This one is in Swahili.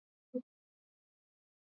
Vifo vingi vya wanyama wachanga